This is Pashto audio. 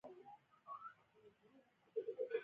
• د کارخانو کارګري اتحادیې رامنځته شوې.